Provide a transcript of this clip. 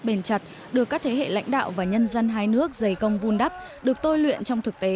bền chặt được các thế hệ lãnh đạo và nhân dân hai nước dày công vun đắp được tôi luyện trong thực tế